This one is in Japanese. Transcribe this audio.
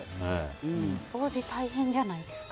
掃除大変じゃないですか？